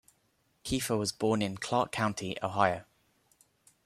Keifer was born in Clark County, Ohio.